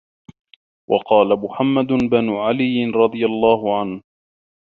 وَقَالَ مُحَمَّدُ بْنُ عَلِيٍّ رَضِيَ اللَّهُ عَنْهُ